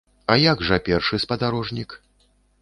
А як жа першы спадарожнік?